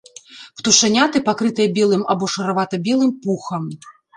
Птушаняты пакрытыя белым або шаравата-белым пухам.